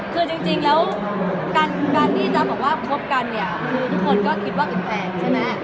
คือจริงแล้วการที่จ๊ะบอกว่าคบกันเนี่ยคือทุกคนก็คิดว่าอึดแพงใช่ไหม